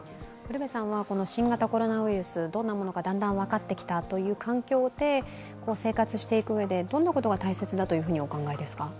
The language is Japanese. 新型コロナウイルス、どんなものかだんだん分かってきたという環境で生活していく上でどんなことが大切だとお考えですか？